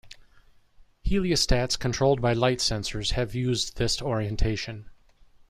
Heliostats controlled by light-sensors have used this orientation.